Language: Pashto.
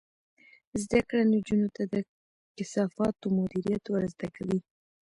زده کړه نجونو ته د کثافاتو مدیریت ور زده کوي.